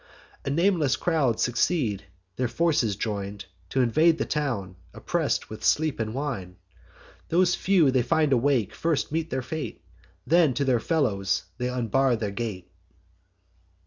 A nameless crowd succeed; their forces join T' invade the town, oppress'd with sleep and wine. Those few they find awake first meet their fate; Then to their fellows they unbar the gate.